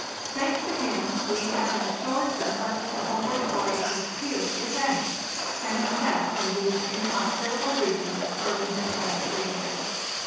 Thanks to him, we had as short and pleasant a home ward voyage as few, if any, can have had from these in hospitable regions, where we had spent three years.